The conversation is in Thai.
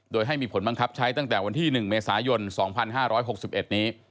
โดยให้มีผลบังคับใช้ตั้งแต่วันที่๑เมษายน๒๕๖๑นี้